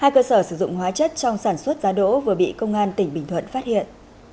hai cơ sở sử dụng hóa chất trong sản xuất giá đỗ vừa bị công an tỉnh bình thuận phát hiện